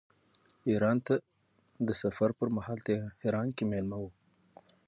ایران ته د سفر پرمهال تهران کې مېلمه و.